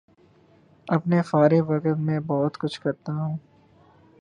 اپنے فارغ وقت میں بہت کچھ کرتا ہوں